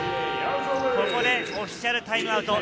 ここでオフィシャルタイムアウト。